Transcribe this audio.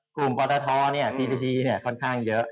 กลุ่มพอร์ทเทอร์นี้พี่ตีนี้ค่อนข้างเยอะ